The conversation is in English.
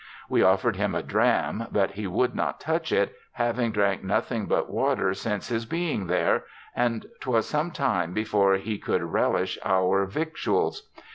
We ofFer'd him a dram, but he would not touch it, having drank nothing but water since his being there, and t'was some time before he could relish our victuals.